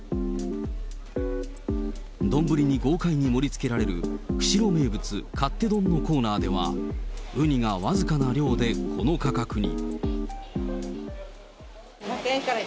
丼に豪快に盛りつけられる釧路名物、かって丼のコーナーでは、ウニが僅かな量でこの価格に。